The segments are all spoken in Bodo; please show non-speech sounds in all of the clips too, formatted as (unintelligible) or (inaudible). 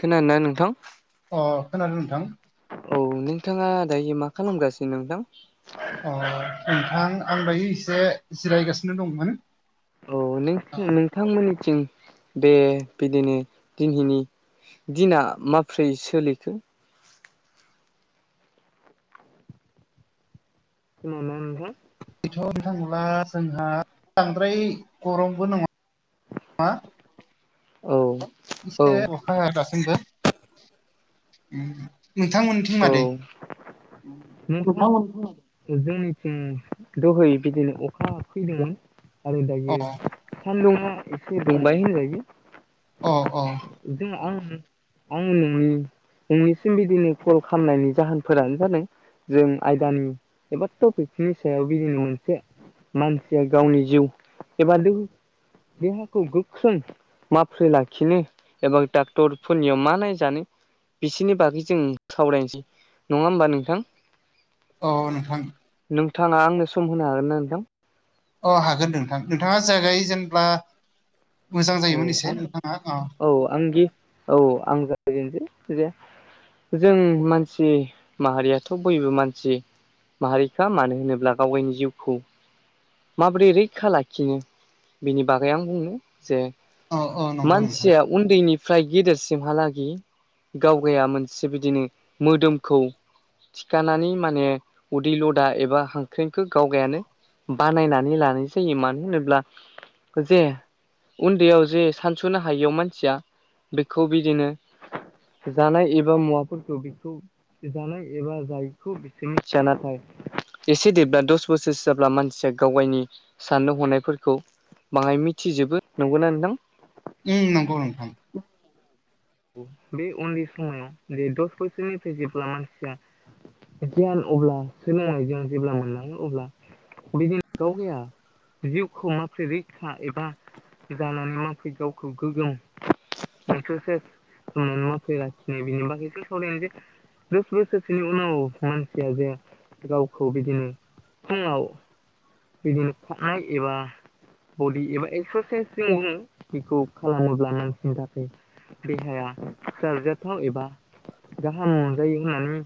खोनादोंना नोंथां अ खोनादो नोंथां औ नोंथाङा दायो मा खालामगासिनो नोंथां अ नोंथां आं दायो एसे जिरायगासिनो दंमोन औ नो नोंथांमोननिथिं दे बिदिनो दिनहैनि दिना माब्रै सोलिखो खोनादोना नोंथां बेथ' (unintelligible) जोंहा बांद्राय गरमबो नङा ना औ औ एसे अखा हागासिनो दासिमबो नोंथांमोनथिं मादै (unintelligible) जोंनिथिं दहै बिदिनो अखा फैदोंमोन आरो अ दायो सान्दुुङा एसे दंबाय होनजायो अ-अ जों आं आं नोंनि नोंनिसिम बिदिनो फल खालामनायनि जाहोनफोरानो जादों जों आयदानि एबा टपिकनि सायाव बिदिनो मोनसे मानसिया गावनि जिउ एबा दोहो देहाखौ गोख्रों माफ्रै लाखिनो एबा डाक्टरफोरनियाव मा नायजानो बिसोरनि बागै जों सावरायनोसै नङा होमबा नोंथां अ नोंथां नोंथाङा आंनो सम होनो हागोनना नोंथां? अ हागोन नोंथां नोंथाङा जागाय जेनब्ला मोजां औ जायोमोन एसे आं नोंथाङा अ औ आंगि औ आं जागायनोसै जे जों मानसि माहारियाथ' बयबो मानसि माहारिखा मानो होनोब्ला गावगायनि जिउखौ माबोरै रैखा लाखिनो बिनि बागै आं बुंनो जे औ नंगौ नोंथां मानसिया उन्दैनिफ्राय गेदेरसिमहालागि गावगाया मोनसे बिदिनो मोदोमखौ थिखानानै माने उदैल' दा एबा हांख्रेंखौ गावगायानो बानायनानै लानाय जायो मानो होनोब्ला जे उन्दैयाव जे सानस'नो हायियाव मानसिया बेखौ बिदिनो जानाय एबा मुवाफोरखौ बेखौ जानाय एबा जायैखौ बिसोर नाथाय एसे देब्ला दस बोसोरसो जाब्ला मान गावगायनि साननो हनायफोरखौ बाङाय मिथिजोबो नंगौना नोंथां? उम नंगौ नोंथां बे उन्दै समायाव जे दस बोसोरनिफ्राय जेब्ला मानसिया गियान अब्ला सोलोंनायजों जेब्ला मोनलाङो अब्ला बिदि गावगाया जिउखौ माफ्रै रैखा एबा जानानै माफ्रै गावखौ गोग्गोम (unintelligible) (unintelligible) दस बोसोरसोनि उनाव मानसिया जे गावखौ बिदिनो फुङाव बिदिनो खारनाय एबा बडि एबा एक्सारसाइस जों बुङो बेखौ खालामोब्ला नांसिनि थाखाय देहाया सारजाथाव एबा गाहाम मोनजायो होननानै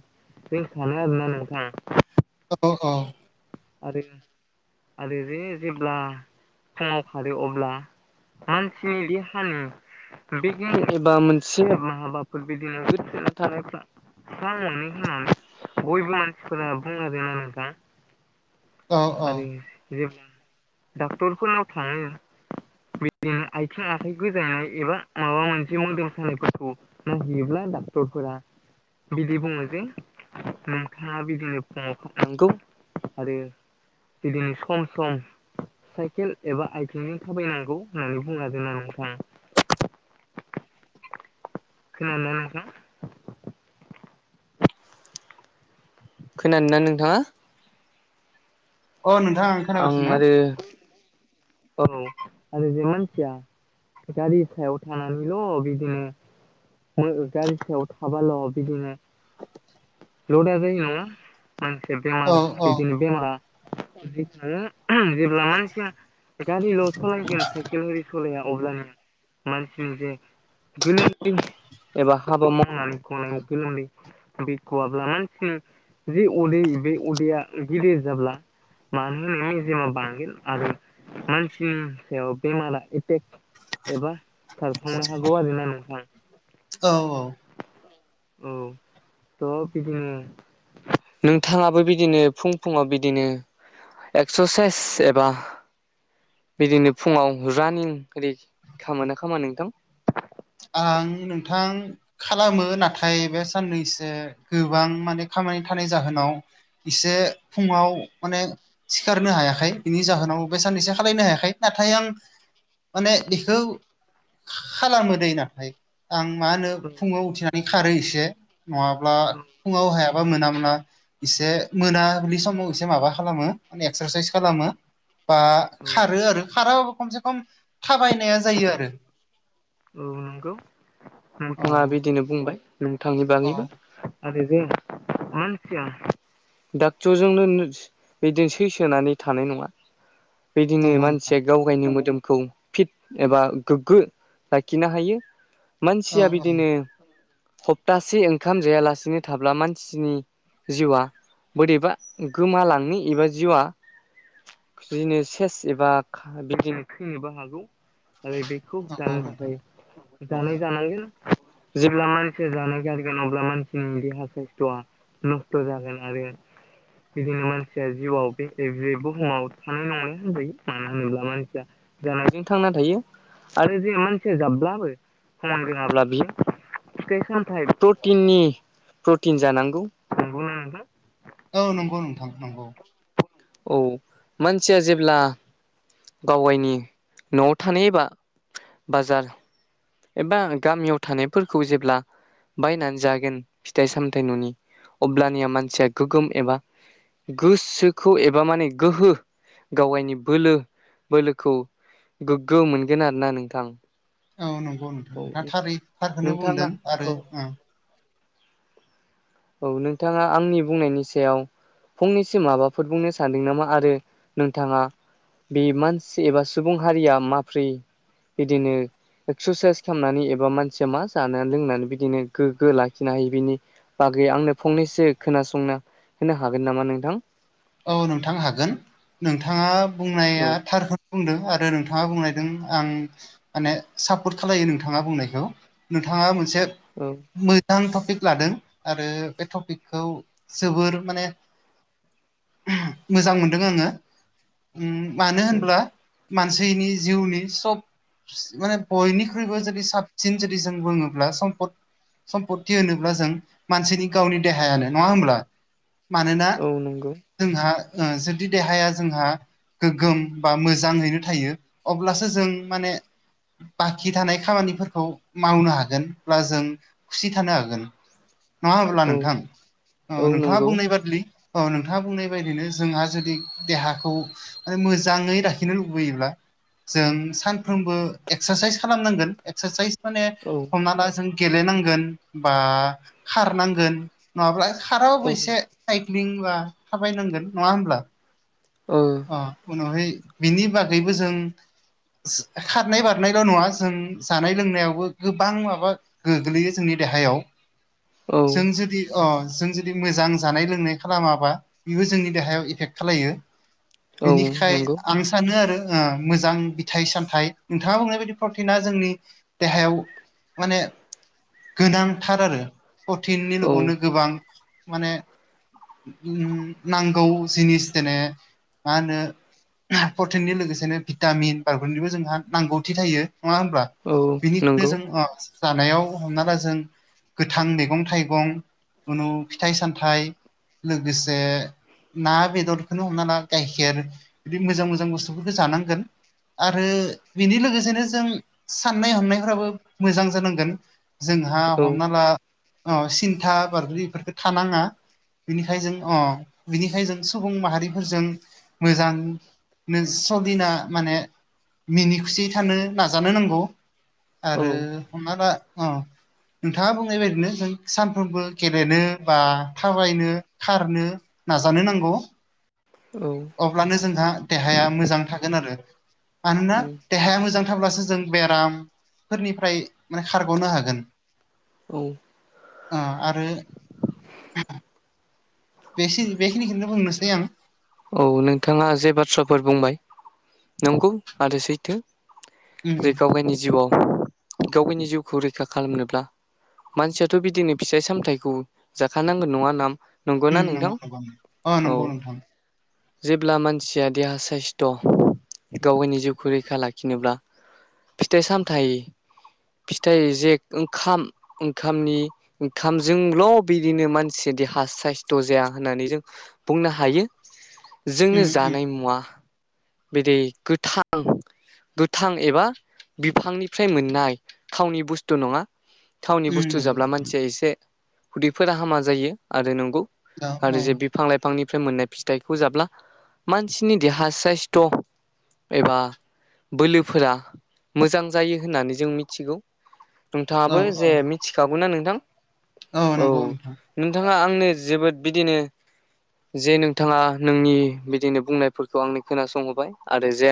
जों सानो आरोना नोंथां अ औ ओ आरो आरो जे जेब्ला फुङाव खारो अब्ला मानसिनि देहानि बे गिं एबा मोनसे हाबाफोर बिदिनो गोनां थानायफ्रा हा मोनिनि समाव बयबो मानसिफोरा बुङो आरोना नोंथां औ औ आरो जे बुं डाक्टरफोरनाव थाङो बिदिनो आयथिं आखाइ गोजांनाय एबा माबा मोनसे मोदोम सानायफोरखौ नाहियोब्ला डाक्टरफोरा बिदि बुङो जे नोंथाङा बिदिनो फुङाव खाबनांगौ आरो बिदिनो सम सम साइकेल एबा आयथिंनि थाबायनांगौ होननानै बुंनादोना नोंथां खोनानो नोंथां खोनादोना नोंथाङा अ नोंथां आं खोनागासिनो आरो औ आरो बे मानसिया गारि सायाव थानानैल' बिदिनो गारि सायाव थाबाल बिदिनो (unintelligible) मानसिया औ बेमार औ बिदिनो बेमारा जेब्ला मानसिया गारिल' सालायगोन साइकेलरि सलाया अब्लाानो मानसिनि जे (unintelligible) (unintelligible) (unintelligible) मानसिनि सायाव बेमारा एफेक्ट एबा सारफांनो हागौ आरोोना नोंथां औ औ औ त बिदिनो नोंथाङाबो बिदिनो फुं फुङाव बिदिनो एक्सारसाइस एबा बिदिनो फुङाव रानिं ओरि खोना खोमा नोंथां आं नोंथां खालामो नाथाय बे साननैसो गोबां माने खामानि थानाय जाहोनाव इसे फुङाव माने सिखारनो हायाखै बिनि जाहोनाव बे साननैसो खालायनो हायाखै नाथाय आं माने इखौ खा-खालामो नाथाय आं मा होनो फुङाव उथिनानै खारो एसे नङाब्ला फुङाव हाय माबा मोना मोना एसे मोनाबलि समाव एसे माबा खालामो माने एक्सारसाइस खालामो बा खारो आरो खाराबाबो खमसे खम थाबायनाया जायो आरो औ नंगौ औ नोंथाङा बिदिनो बुंबाय नोंथांनि औ बागैबो आरो मानसिया ड'क्टरजोंनो बिदिनो सैसोनानै थानाय नङा बिदिनो नंगौ नोंथां मानसिया गाव गायनि मोदोमखौ फिट एबा गोग्गो लाखिनो हायो औ मानसिया बिदिनो खप्तासे ओंखाम जायालासिनो थाब्ला मानसिनि जिउआ बोरैबा गोमालांनि एबा जिउआ बिदिनो सेस एबा बिदिनो थैनोबो हागौ आरो बे खुब नंगौ जानो नोंथां थाखाय जानो जानांगोन जेब्ला मानसिया जानो गारगोन अब्ला मानसिनि देहा खस्तआ नस्थ जागोन ना बे। बिदिनो मानसिया जिउआव बेसे बे बुहुमाव थानाय नङानो होनजायो मानो होनोब्ला मानसिया जानायजों थांना थायो आरो जे मान सोजाबब्लाबो समान रोंयाब्ला बियो फिथाय सामथाय प्रटिननि प्रटिन जानांगौ। नोंगौना नोंथां। औ नंगौ नोंथां नंगौ। औ मानसिया जेब्ला गाव आयनि न'आव थानाय एबा बाजार एबा गामियाव थानायफोरखौ जेब्ला बायनानै जागोन फिथाइ सामथाइ न'नि अब्लानिया मानसिया गोगोम एबा गोसोखौ एबा माने गोहो गावायनि बोलो बोलोखौ गोग्गो मोनगोन आरोना नोंथां। औ नंगौ नोंथां औ दा थारै थारखौनो बुंदों आरो औ। औ नोंथाङा आंनि बुंनायनि सायाव फंनिसिम माबाफोर बुंनो सानदों नामा आरो नोंथाङा। बे मानसि एबा सुबुं हारिया माफ्रै बिदिनो एक्स्रासाइस खालामनानै एबा मानसिया मा जाना लोंनानै बिदिनो गोग्गो लाखिनो हायो बिनि बागै आंनो फंनैसो खोनासंना होनो हागोन नामा नोंथां। औ नोंथां हागोन नोंथाङा बुंनाया औ थारखो बुंदों आरो नोंथाङा बुंनायदों आं माने सापर्ट खालायो नोंथाङा बुंनायखौ नोंथाङा मोनसे औ। मोजां टपिक लादों आरो बे टपिकखौ जोबोर माने उहुम मोजां मोनदों आङो उम मानो औ होनब्ला मानसिनि जिउनि सब माने बयनिख्रुइबो जुदि साबसिन जुदि जों बुङोब्ला सम्पद सम्पति होनोब्ला जों मानसिनि गावनि देहायानो नङा होमब्ला मानोना औ नंगौ। जोंहा ओ जुदि देहाया जोंहा गोगोम बा मोजाङैनो थायो अब्लासो जों माने बाखि थानाय खामानिफोरखौ मावनो हागोन ब्ला जों खुसि थानो हागोन नङा होमब्ला औ नोंथां ओ औ नोंथाङा नंगौ बुंनाय बादलि औ नोंथ नोंथाङा बुंनाय बायदिनो जोंहा जुदि देहाखौ ओय मोजाङै लाखिनो लुबैयोब्ला जों सानफ्रोमबो एक्स्रासाइस खालामनांगोन एक्स्रासाइस माने औ। हमना ला जों गेलेनांगोन बा खारनांगोन। नङाब्ला औ खाराबाबो एसे साइदक्लिं बा थाबायनांगोन नङा होमब्ला। ओं। अ उनावहाय बिनि बागैबो जों सि खारनाय बारनायल' नङा जों जानाय लोंनायावबो गोबां माबा गोग्लैयो जोंनि देहायाव औ जों जुदि अ जों जुदि मोजां जानाय लोंनाय खालामाबा इबो जोंनि देहायाव इफेक खालायो। औ इनिखाय नंगौ आं सान सानो आरो ओ मोजां बिथाइ सामथाइ नोंथाङाबो मोननाय बायदि प्रटिना जोंनि देहायाव माने गोनांथार आरो प्रटिननि औ लुबावनो गोबां माने उम नांगौ जिनिस देने मा होनो हाया प्रटिननि लोगोसेनो भिटामिन फारबोलिबो जोंहा नांगौथि थायो नङा होनब्ला। औ बिनिनो नंगौ जों अ जानायाव हमना ला जों गोथां दैगं थाइगं खुनु फिथाइ सामथाइ लोगोसे ना, बेदरखौनो हमना ला गाइखेर बिदि मोजां- मोजां बुस्थुफोरखौ जानांगोन। आरो बेनि लोगोसेनो जों साननाय हनायफ्राबो मोजां जानांगोन। जोंहा औ हमना ला सिन्था बारबै बेफोरखौ थानाङा। बिनिखायनो जों अ बिनिखाय जों सुबुं माहारिफोरजों मोजां स' दिना माने मिनि खुसियै थानो नाजानो नांगौ। औ आरो हमना ला नोंथाङा बुंनाय बायदिनो जों सानफ्रोमबो गेलेनो बा थाबायनो खारनो नाजानो नांगौ। औ अब्लानो जोंहा देहाया मोजां थागोन आरो। मानोना देहाया मोजां थाब्लासो जों बेरामफोरनिफ्राय माने खारग'नो हागोन। औ दा आरो बे बेखिनिखौनो बुंनोसै आं औ नोंथाङा जे बाथ्राफोर बुंबाय नंगौ आरो सैथो उम जै गाव- गावनि जिउआव गाव -गावनि जिउखौ रैखा खालामनोब्ला मानसियाथ' बिदिनो फिथाइ- सामथायाइखौ जाखानांगौ नङा ना उम नंगौना नंगौ नोंथां? नंगौ अ औ नंगौ नोंथां जेब्ला मानसिया देहा साइस्थ' गाव गावनि जिउखौ रैखा लाखिनोब्ला फिथाइ- सामथायाइ -फिथाइ जे ओंखाम ओंखामनि ओंखामजोंल' बिदिनो मानसिया देहा साइस्थ' जाया होननानै जों बुंनो हायो। उम जोंनो उम जानाय मुवा बिदि गोथां गोथां एबा बिफांनिफ्राय मोननाय थावनि बुस्थु नङा थावनि उम बुस्थु नंगौ जाब्ला मानसिया एसे उदैफोरा हामा जायो आरो नंगौ औ औ आरो जे बिफां -लाइफांनिफ्राय मोननाय फिथाइखौ जाब्ला मानसिनि देहा साइसथ' एबा बोलोफोरा मोजां जायो होननानै जों मिथिगौ। औ नोंथाङाबो औ जे मिथिखागौना नोंथां? औ नंगौ नोंथां नोंथाङा आंनो जोबोद बिदिनो जे नोंथ बिथाङा नोंनि बिदिनो बुंनायफोरखौ आंनो खोनासंहरबाय आरो जे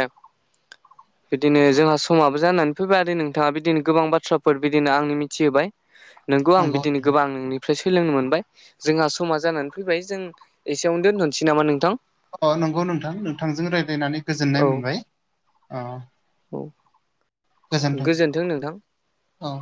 बिदिनो जोंहा समाबो जानानै फैबाय आरो नोंथाङा बिदिनो गोबां बाथ्राफोर बिदिनो आंनो मिथिहोबाय नंगौ आं बिदिनो गोबां नोंनि ओमफ्राय सोलोंनो मोनबाय जोंहा समा जानानै फैबाय जों एसेयावनो दोनथ'नोसै नामा नोंथां? अ नंगौ नोंथां नोंथांजों रायज्लायनानै औ गोजोननाय मोनबाय। अ औ गोजोन्थों। औ